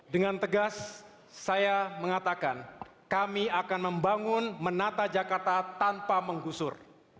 dengan tegas saya mengatakan kami akan membangun menata jakarta tanpa menggusur